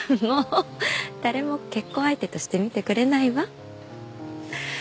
もう誰も結婚相手として見てくれないわ。